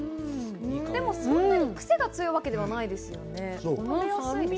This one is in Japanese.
そんなにクセが強いわけじゃないですよね。